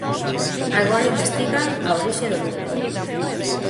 Agora investigan a orixe do lume.